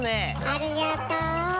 ありがとう。